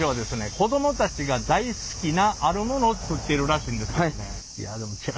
子どもたちが大好きなあるモノを作ってるらしいんですけどね。